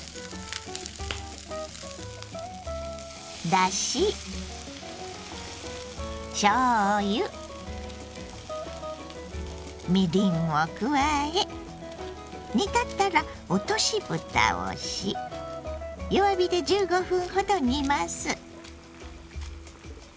だししょうゆみりんを加え煮立ったら落としぶたをし弱火で１５分ほど煮ます。